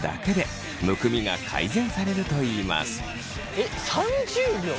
えっ３０秒！？